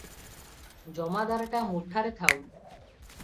ଜମାଦାରଟା ମୁଠାରେ ଥାଉ